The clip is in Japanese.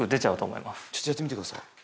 ちょっとやってみてください。